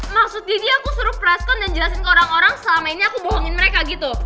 maksudnya dia aku suruh preskon dan jelasin ke orang orang selama ini aku bohongin mereka gitu